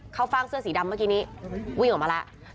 ฟ่างเสื้อสีดำเมื่อกี้นี้วิ่งออกมาแล้ว